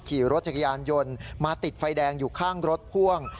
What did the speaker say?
ขี่รถจักรยานยนต์มาติดไฟแดงอยู่ข้างรถพ่วง